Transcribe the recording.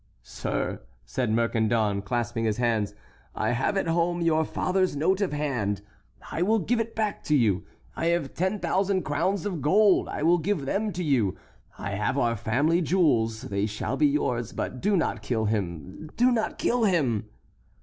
"Sir," said Mercandon, clasping his hands, "I have at home your father's note of hand, I will give it back to you—I have ten thousand crowns of gold, I will give them to you—I have our family jewels, they shall be yours; but do not kill him—do not kill him!"